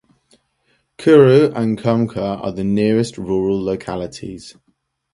Khuri and Kumukh are the nearest rural localities.